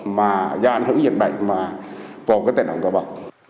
mà do ảnh hưởng dịch bệnh mà bộ có tài đoạn cờ bạc